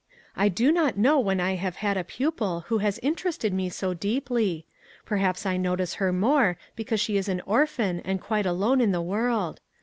" I do not know when I have had a pupil who has interested me so deeply. Perhaps I notice her more because she is an orphan and quite alone in the world.